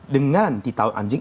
dengan di tahun anjing